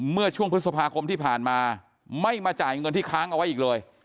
เมื่อช่วงพฤษภาคมที่ผ่านมาไม่มาจ่ายเงินที่ค้างเอาไว้อีกเลย